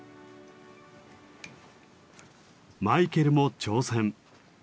マイケルも挑戦。